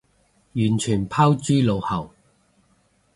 完全拋諸腦後